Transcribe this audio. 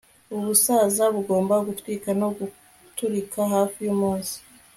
ubusaza bugomba gutwika no guturika hafi yumunsi